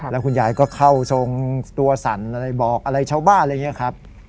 แล้วคุณยายก็เข้าทรงตัวสั่นอะไรบอกอะไรชาวบ้านอะไรอย่างนี้ครับ